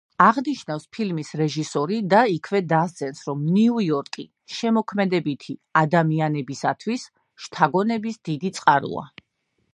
აღნიშნავს ფილმის რეჟისორი და იქვე დასძენს რომ ნიუ-იორკი შემოქმედებითი ადამიანებისათვის შთაგონების დიდი წყაროა.